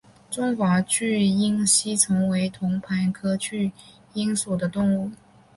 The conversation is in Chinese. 中华巨咽吸虫为同盘科巨咽属的动物。